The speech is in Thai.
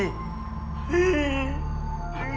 ง่าย